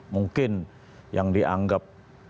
mungkin yang dianggap